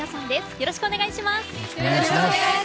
よろしくお願いします。